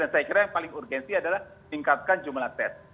saya kira yang paling urgensi adalah tingkatkan jumlah tes